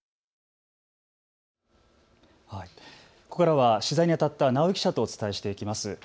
ここからは取材にあたった直井記者とお伝えしていきます。